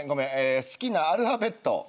え好きなアルファベット。